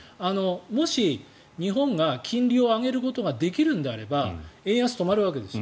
もし、日本が金利を上げることができるんであれば円安、止まるわけです。